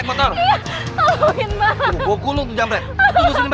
mau tolongin tata saya dijamret bang